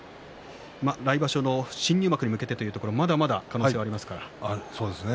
来場所の新入幕に向けてというところまだ可能性がありますね。